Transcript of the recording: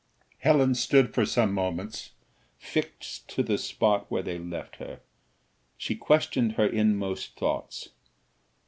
Helen stood for some moments fixed to the spot where they left her. She questioned her inmost thoughts.